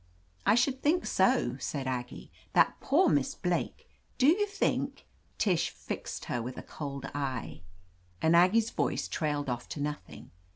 "I should think so," said Aggie. "That poor Miss Blake! Do you think —" Tish fixed her with a cold eye, and Aggie's ISO OF LETITIA CARBERRY voice trailed off to nothing.